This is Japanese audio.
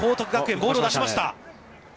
ボールを出しました。